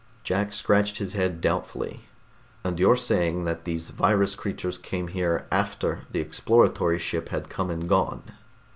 Jack scratched his head doubtfully. "And you're saying that these virus creatures came here after the exploratory ship had come and gone?"